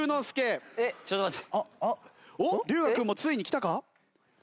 おっ龍我君もついにきたか？